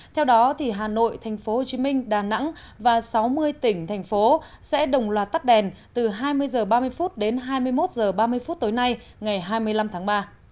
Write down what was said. theo đó hà nội tp hcm đà nẵng và sáu mươi tỉnh thành phố sẽ đồng loạt tắt đèn từ hai mươi h ba mươi đến hai mươi một h ba mươi phút tối nay ngày hai mươi năm tháng ba